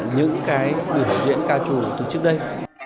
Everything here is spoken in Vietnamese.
những cái biểu diễn ca trù từ trước đây